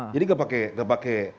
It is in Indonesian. jadi nggak pakai nggak pakai